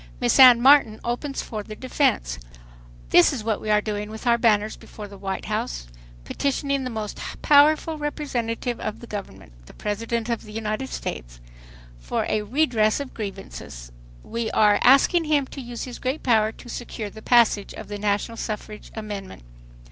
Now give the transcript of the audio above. Miss Anne Martin opens for the defense: "This is what we are doing with our banners before the White House, petitioning the most powerful representative of the government, the President of the United States, for a redress of grievances; we are asking him to use his great power to secure the passage of the national suffrage amendment.